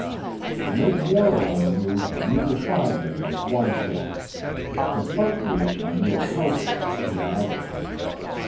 "To make war on you when you defied me was one thing ... to fight you when you are helpless is another....